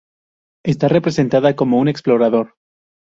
Está representada como un Explorador.